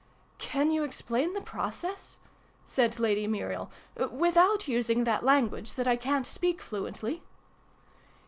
" Can you explain the process?" said Lady Muriel. "Without using that language, that I ca'n't speak fluently